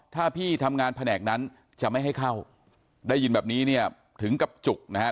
ถ้าพี่ทำงานแผนกนั้นจะไม่ให้เข้าได้ยินแบบนี้เนี่ยถึงกับจุกนะฮะ